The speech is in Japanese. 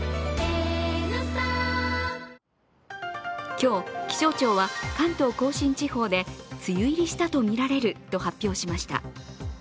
今日、気象庁は関東甲信地方で梅雨入りしたとみられると発表しました。